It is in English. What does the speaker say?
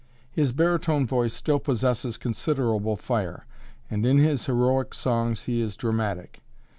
His baritone voice still possesses considerable fire, and in his heroic songs he is dramatic.